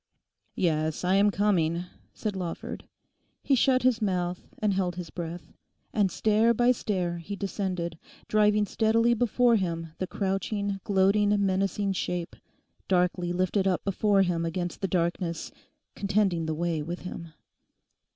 'Yes, I am coming,' said Lawford. He shut his mouth and held his breath, and stair by stair he descended, driving steadily before him the crouching, gloating menacing shape, darkly lifted up before him against the darkness, contending the way with him.